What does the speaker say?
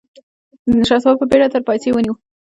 شهسوار په بېړه تر پايڅې ونيو.